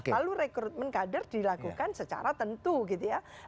lalu rekrutmen kader dilakukan secara tentu gitu ya